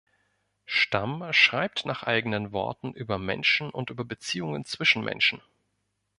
Stamm schreibt nach eigenen Worten „über Menschen und über Beziehungen zwischen Menschen“.